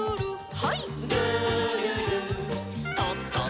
はい。